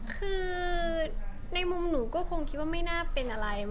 คือในมุมหนูก็คงคิดว่าไม่น่าเป็นอะไร